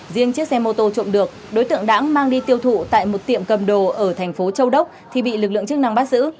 riêng chiếc xe mô tô trộm được đối tượng đã mang đi tiêu thụ tại một tiệm cầm đồ ở thành phố châu đốc thì bị lực lượng chức năng bắt giữ